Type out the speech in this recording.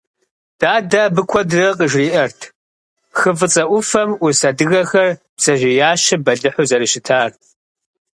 Дадэ абы куэдрэ къыжриӀэрт Хы фӀыцӀэ Ӏуфэм Ӏус адыгэхэр бдзэжьеящэ бэлыхьу зэрыщытар.